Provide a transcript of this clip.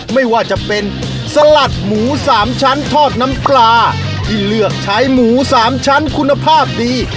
ไม่ว่าจะเป็นสลัดหมู๓ชั้นทอดน้ำปลาที่เลือกใช้หมู๓ชั้นคุณภาพดี